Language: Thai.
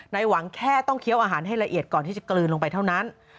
หวังแค่ต้องเคี้ยวอาหารให้ละเอียดก่อนที่จะกลืนลงไปเท่านั้น